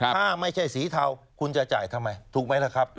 ถ้าไม่ใช่สีเทาคุณจะจ่ายทำไมถูกไหมล่ะครับ